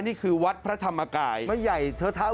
นี่คือวัดพระธรรมกาย